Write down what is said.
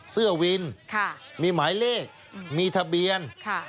เสื้อวินมีหมายเลขมีทะเบียน